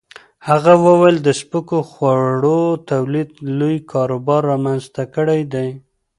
هغه وویل د سپکو خوړو تولید لوی کاروبار رامنځته کړی دی.